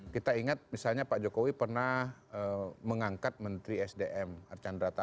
kita ingat misalnya pak jokowi pernah mengangkat menteri sdm archandra